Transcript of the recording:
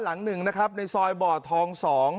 หลังหนึ่งนะครับในซอยบ่อทอง๒